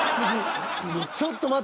ちょっと待って。